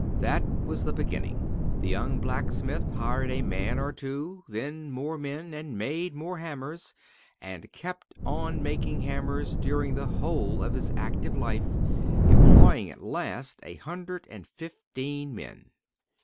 That was the beginning. The young blacksmith hired a man or two, then more men, and made more hammers, and kept on making hammers during the whole of his active life, employing at last a hundred and fifteen men.